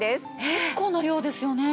結構な量ですよね。